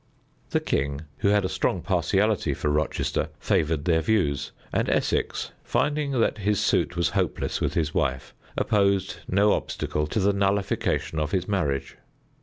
The king, who had a strong partiality for Rochester, favored their views, and Essex, finding that his suit was hopeless with his wife, opposed no obstacle to the nullification of his marriage.